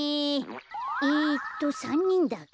えっと３にんだから。